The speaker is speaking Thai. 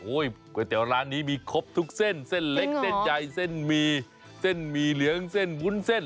ก๋วยเตี๋ยวร้านนี้มีครบทุกเส้นเส้นเล็กเส้นใหญ่เส้นหมี่เส้นหมี่เหลืองเส้นวุ้นเส้น